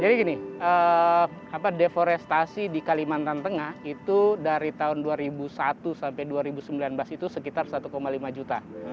jadi gini deforestasi di kalimantan tengah itu dari tahun dua ribu satu sampai dua ribu sembilan belas itu sekitar satu lima juta